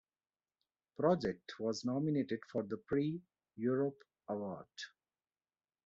Project was nominated for the Prix Europe award.